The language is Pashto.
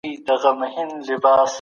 ګردسره مي ستا درواغ نه دي خوښ.